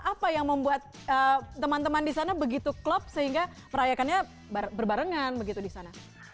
apa yang membuat teman teman di sana begitu klop sehingga merayakannya berbarengan begitu di sana